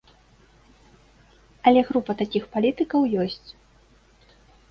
Але група такіх палітыкаў ёсць.